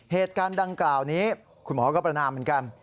เหตุการณ์ดังกล่าวนี้คุณหมอก็ประนามเหมือนกัน